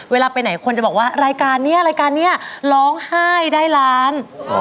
เวลาไปไหนคนจะบอกว่ารายการนี้รายการนี้ร้องไห้ได้ล้าน